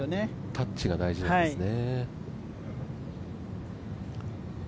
タッチが大事なんですね。